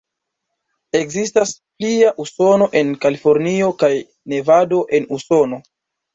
Ekzistas plia Usono en Kalifornio kaj Nevado, en Usono.